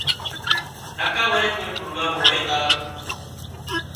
نڪا وري ڪوئي پروگران هوئي تار